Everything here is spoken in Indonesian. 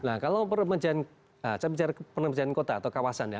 nah kalau peremajaan kota atau kawasan ya